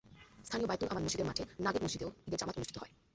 স্থানীয় বায়তুল আমান মসজিদের মাঠে, নাগেট মসজিদেও ঈদের জামাত অনুষ্ঠিত হয়।